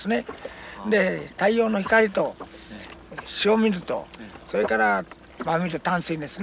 で太陽の光と塩水とそれから真水淡水ですね